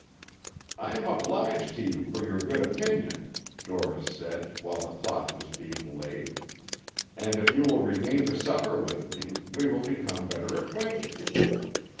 "I am obliged to you for your good opinion," Dorris said, while the cloth was being laid, "and if you will remain to supper with me, we will become better acquainted."